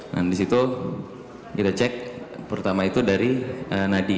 nah disitu kita cek pertama itu dari nadi